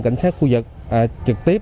cảnh sát khu vực trực tiếp